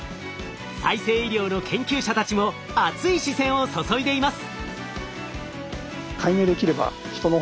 再生医療の研究者たちも熱い視線を注いでいます。